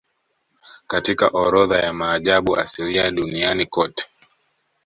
Katika orodha ya maajabu asilia duniani kote